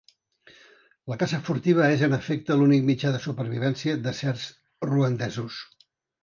La caça furtiva és en efecte l'únic mitjà de supervivència de certs ruandesos.